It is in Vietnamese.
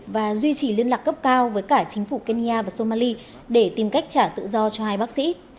và duy trì liên lạc cấp cao với cả chính phủ kenya và somali để tìm cách trả tự do cho hai bác sĩ